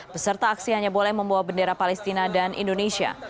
peserta aksi hanya boleh membawa bendera palestina dan indonesia